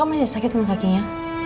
kamu masih sakit sama kakinya